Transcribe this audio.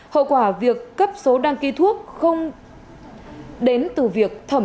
hậu quả việc cấp số đăng ký thuốc không đến từ việc thẩm